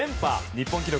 日本記録